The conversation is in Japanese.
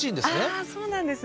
ああそうなんですね。